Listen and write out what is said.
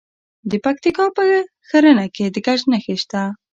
د پکتیکا په ښرنه کې د ګچ نښې شته.